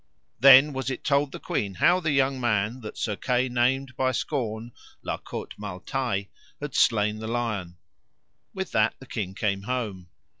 Then was it told the queen how the young man that Sir Kay named by scorn La Cote Male Taile had slain the lion. With that the king came home.